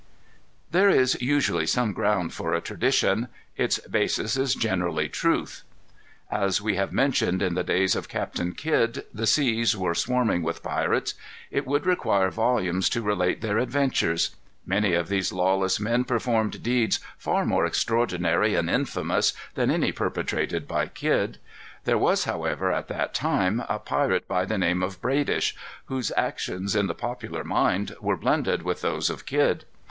There is usually some ground for a tradition. Its basis is generally truth. As we have mentioned, in the days of Captain Kidd the seas were swarming with pirates. It would require volumes to relate their adventures. Many of these lawless men performed deeds far more extraordinary and infamous than any perpetrated by Kidd. There was, however, at that time, a pirate by the name of Bradish, whose actions, in the popular mind, were blended with those of Kidd.